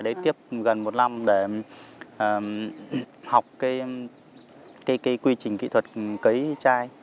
để tiếp gần một năm để học cái quy trình kỹ thuật cấy chai